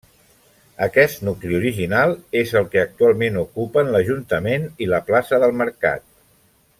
Aquest nucli original és el que actualment ocupen l'ajuntament i la plaça del mercat.